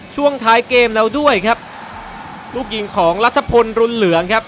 ช่วงท้ายเกมแล้วด้วยครับลูกยิงของรัฐพลรุนเหลืองครับ